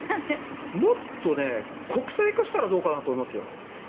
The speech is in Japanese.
もっと国際化したらどうかなと思います。